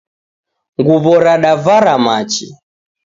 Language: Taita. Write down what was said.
Nguwo radavara machi